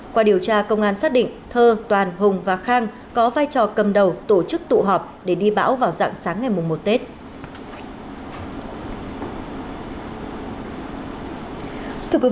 qua điều tra công an xác định thơ toàn hùng và khang có vai trò cầm đầu tổ chức tụ họp để đi bão vào dạng sáng ngày một tết